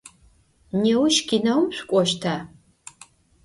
Nêuş kineum şsuk'oşta?